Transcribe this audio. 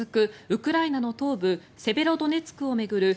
ウクライナの東部セベロドネツクを巡る